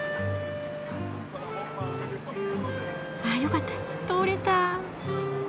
あよかった通れた。